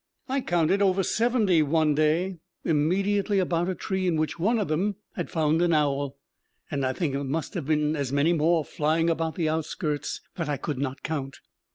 I counted over seventy one day, immediately about a tree in which one of them had found an owl; and I think there must have been as many more flying about the outskirts that I could not count.